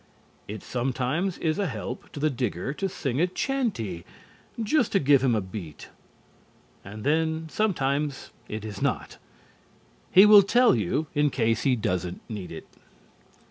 It sometimes is a help to the digger to sing a chanty, just to give him the beat. And then sometimes it is not. He will tell you in case he doesn't need it.